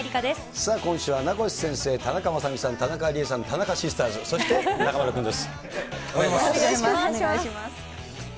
さあ今週は、名越先生、田中雅美さん、田中理恵さん、田中シスターズ、そして、中丸君です。